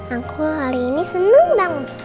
aku hari ini seneng dong